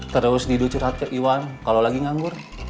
terus tidur curhat ke iwan kalau lagi nganggur